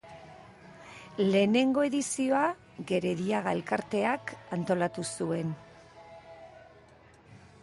Lehenengo edizioa Gerediaga Elkarteak antolatu zuen.